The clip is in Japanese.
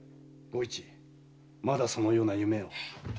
吾市まだそのような夢を。